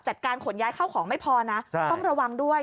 ขนย้ายเข้าของไม่พอนะต้องระวังด้วย